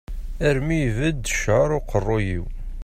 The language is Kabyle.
Armi ibedd ccεer uqerru-iw.